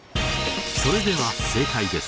それでは正解です。